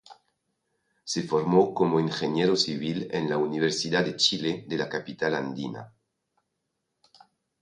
Se formó como ingeniero civil en la Universidad de Chile de la capital andina.